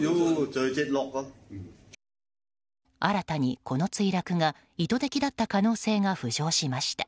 新たにこの墜落が意図的だった可能性が浮上しました。